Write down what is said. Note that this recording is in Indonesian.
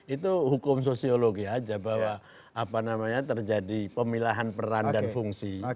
itu hukum sosiologi aja bahwa apa namanya terjadi pemilahan peran dan fungsi